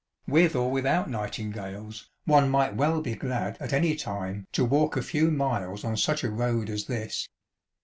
With or without nightingales, one might well be glad at any time to walk a few miles on such a road as this.